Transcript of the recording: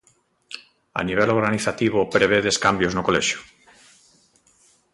A nivel organizativo prevedes cambios no Colexio?